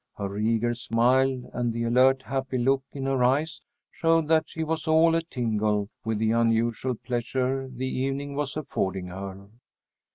Her eager smile and the alert happy look in her eyes showed that she was all a tingle with the unusual pleasure the evening was affording her.